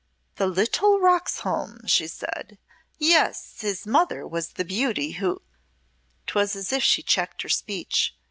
"The little Roxholm," she said. "Yes, his mother was the beauty who " 'Twas as if she checked her speech.